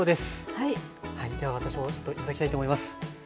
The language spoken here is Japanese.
はいでは私もちょっと頂きたいと思います。